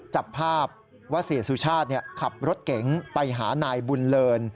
จับภาพว่าเสียสุชาติขับรถเก๋งไปหานายบุญเลิน